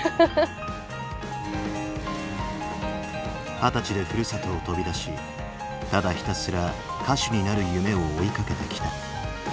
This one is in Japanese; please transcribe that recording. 二十歳でふるさとを飛び出しただひたすら歌手になる夢を追いかけてきた。